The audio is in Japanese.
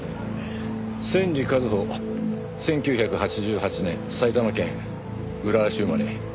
千里一歩１９８８年埼玉県浦和市生まれ。